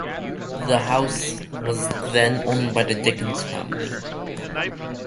The house was then owned by the Dicken family.